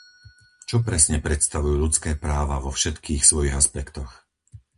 Čo presne predstavujú ľudské práva vo všetkých svojich aspektoch?